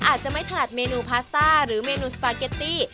อาจจะไม่ถนัดเมนูพาสต้าหรือเมนูสปาเกตตี้